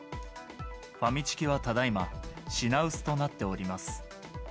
ファミチキはただいま品薄となっております。